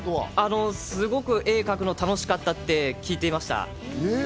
すごく絵を描くのが楽しかったって聞いていました。